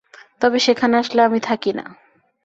তবে সেখানে আসলে আমি থাকি না।